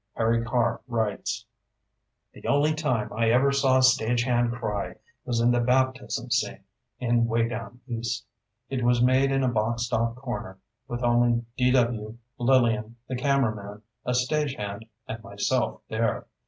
Harry Carr writes: The only time I ever saw a stage hand cry was in the baptism scene in "Way Down East." It was made in a boxed off corner, with only D. W., Lillian, the camera man, a stage hand and myself there.